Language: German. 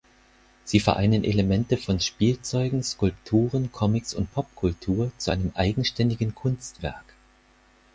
Sie vereinen Elemente von Spielzeugen, Skulpturen, Comics und Popkultur zu einem eigenständigen Kunstwerk.